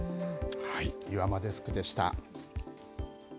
岩間デスクでした。